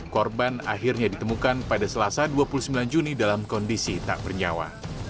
korban akhirnya ditemukan pada selasa dua puluh sembilan juni dalam kondisi tak bernyawa